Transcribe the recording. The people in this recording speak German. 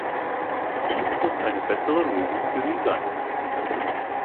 Dies wird eine bessere Lösung für Sie sein.